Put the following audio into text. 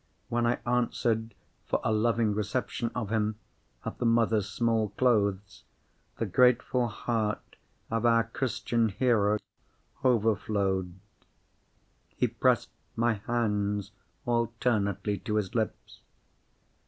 When I answered for a loving reception of him at the Mothers' Small Clothes, the grateful heart of our Christian Hero overflowed. He pressed my hands alternately to his lips.